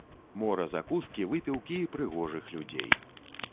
Мора закускі, выпіўкі і прыгожых людзей.